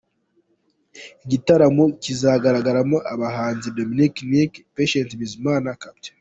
Iki gitaramo kizagaragaramo abahanzi Dominic Nic, Patient Bizimana, Capt.